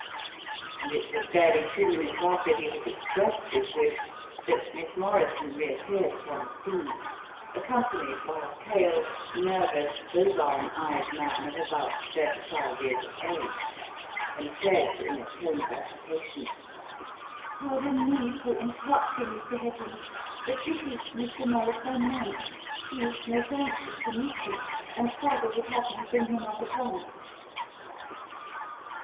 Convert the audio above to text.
And it was barely two minutes after he had expressed this wish that Miss Morrison reappeared upon the scene, accompanied by a pale, nervous, bovine eyed man of about thirty five years of age, and said in a tone of agitation: "Pardon me for interrupting, Mr. Headland, but this is Mr. Maurice Van Nant. He is most anxious to meet you, and father would have me bring him up at once."